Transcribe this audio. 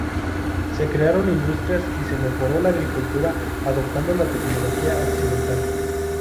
Se crearon industrias y se mejoró la agricultura adoptando la tecnología occidental.